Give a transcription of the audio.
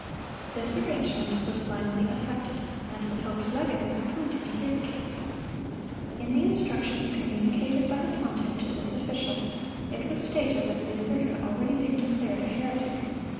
This arrangement was finally effected, and the pope's legate was appointed to hear the case. In the instructions communicated by the pontiff to this official, it was stated that Luther had already been declared a heretic.